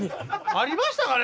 ありましたかね